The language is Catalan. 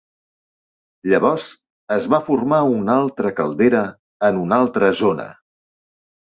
Llavors es va formar una altra caldera en una altra zona.